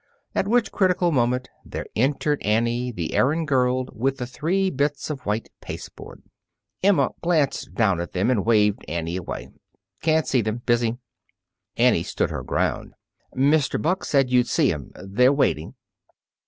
At which critical moment there entered Annie, the errand girl, with the three bits of white pasteboard. Emma glanced down at them and waved Annie away. "Can't see them. Busy." Annie stood her ground. "Mr. Buck said you'd see 'em. They're waiting."